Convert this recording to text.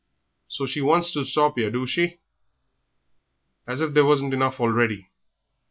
So she wants to stop 'ere, do she? As if there wasn't enough already!